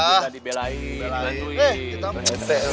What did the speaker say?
nih kita berhenti